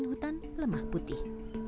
hutan lemah putih